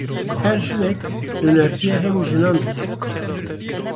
Her jinek nûnertiya hemû jinan dike.